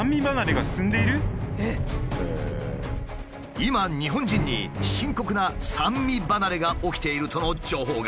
今日本人に深刻な酸味離れが起きているとの情報が。